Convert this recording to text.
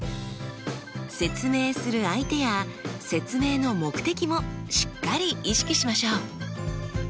説明する相手や説明の目的もしっかり意識しましょう。